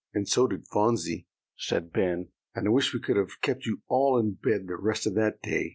"And so did Phronsie," said Ben. "And I wish we could have kept you all in bed the rest of that day."